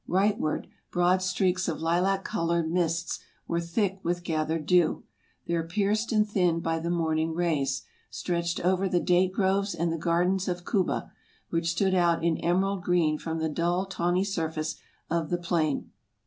Rightward, broad streaks of lilac colored mists were thick with gathered dew, there pierced and thinned by the morning rays, stretched over the date groves and the gardens of Kuba, which stood out in emerald green from the dull tawny surface of the plain.